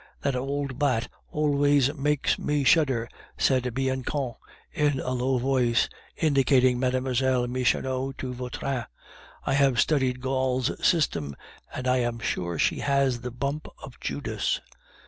"That old bat always makes me shudder," said Bianchon in a low voice, indicating Mlle. Michonneau to Vautrin. "I have studied Gall's system, and I am sure she has the bump of Judas."